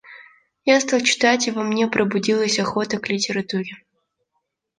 Я стал читать, и во мне пробудилась охота к литературе.